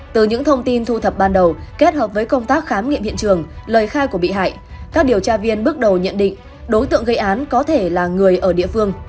từ những thông tin thu thập ban đầu kết hợp với công tác khám nghiệm hiện trường lời khai của bị hại các điều tra viên bước đầu nhận định đối tượng gây án có thể là người ở địa phương